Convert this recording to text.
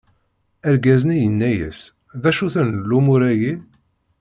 Argaz-nni yenna-as: D acu-ten lumuṛ-agi?